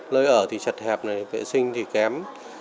lơi ở thì chật hẹp vệ sinh thì kém